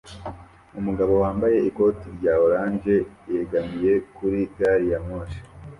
Umugabo wambaye ikoti rya orange yegamiye kuri gari ya moshi